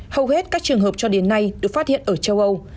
hầu hết các trường hợp cho đến nay được phát hiện ở châu âu